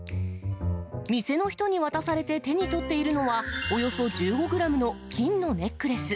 店の人に渡されて手に取っているのは、およそ１５グラムの金のネックレス。